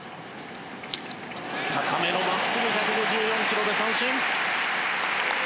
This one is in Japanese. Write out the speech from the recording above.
高めの真っすぐ１５４キロで三振。